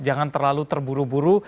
jangan terlalu terburu buru